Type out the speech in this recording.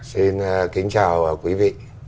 xin kính chào quý vị